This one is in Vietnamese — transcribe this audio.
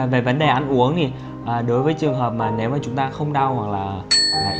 về vấn đề ăn uống thì đối với trường hợp mà nếu mà chúng ta không đau hoặc là